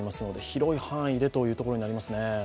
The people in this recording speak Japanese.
広い範囲でというところになりますね。